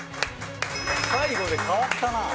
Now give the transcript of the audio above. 最後で変わったな。